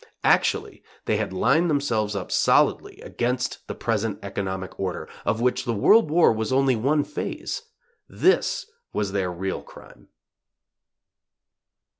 Actually, they had lined themselves up solidly against the present economic order, of which the World War was only one phase. This was their real crime.